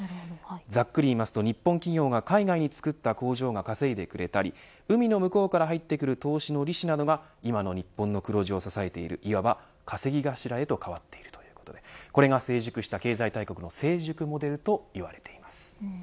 ざっくり言いますと日本企業が海外に作った工場が稼いでくれたり海の向こうから入ってくる投資の利子などが今の日本の黒字を支えているいわば稼ぎ頭へと変わっているということでこれが成熟した経済大国の成熟モデルといわれています。